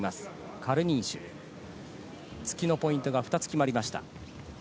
カルニンシュ、突きのポイントが２つ決まりました。